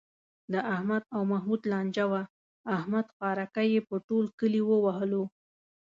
د احمد او محمود لانجه وه، احمد خوارکی یې په ټول کلي و وهلو.